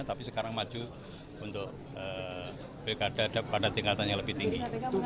tapi sekarang maju untuk pilkada pada tingkatan yang lebih tinggi